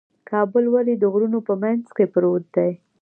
کابل ولې د غرونو په منځ کې پروت دی؟